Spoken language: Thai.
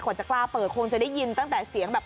จะกล้าเปิดคงจะได้ยินตั้งแต่เสียงแบบ